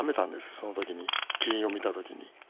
その時にキリンを見た時に。